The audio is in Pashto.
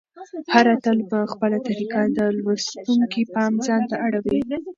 هر اتل په خپله طریقه د لوستونکي پام ځانته اړوي.